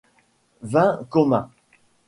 Vin commun.